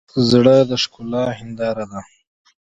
زړه د ښکلا هنداره ده.